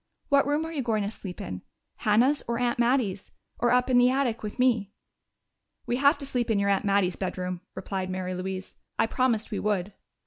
What room are you going to sleep in Hannah's or Aunt Mattie's or up in the attic with me?" "We have to sleep in your aunt Mattie's bedroom," replied Mary Louise. "I promised we would."